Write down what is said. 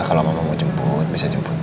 kalau mau jemput bisa jemput